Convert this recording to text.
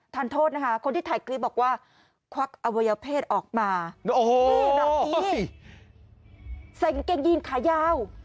ทานโทษนะคะคนที่ถ่ายตัวข้อบอกว่า